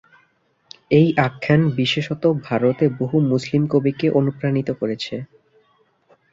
এই আখ্যান বিশেষত ভারতে বহু মুসলিম কবিকে অনুপ্রাণিত করেছে।